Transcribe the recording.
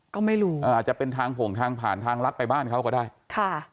ก็ไม่รู้อ่าอาจจะเป็นทางโผงทางผ่านทางรัฐไปบ้านเขาก็ได้ค่ะ